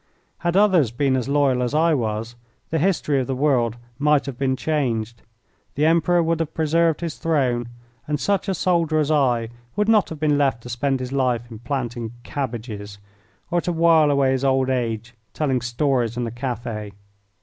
Had others been as loyal as I was the history of the world might have been changed, the Emperor would have preserved his throne, and such a soldier as I would not have been left to spend his life in planting cabbages or to while away his old age telling stories in a cafe.